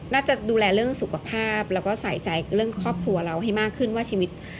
น่าจะดูแลเรื่องสุขภาพแล้วก็ใส่ใจเรื่องครอบครัวเราให้มากขึ้นว่าชีวิต